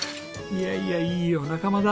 いやいやいいお仲間だ。